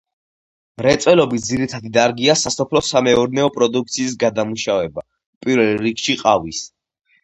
მრეწველობის ძირითადი დარგია სასოფლო-სამეურნეო პროდუქციის გადამუშავება, პირველ რიგში ყავის.